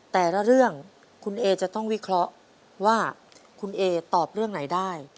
แต่ละเรื่องคุณเอจะต้องวิเคราะห์ว่าคุณเอตอบเรื่องไหนได้